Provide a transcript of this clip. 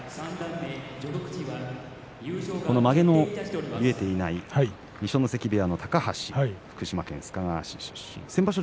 まげの結えていない二所ノ関部屋の高橋福島県の須賀川市出身先場所